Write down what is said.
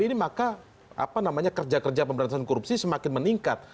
tapi ini maka apa namanya kerja kerja pemberantasan korupsi semakin meningkat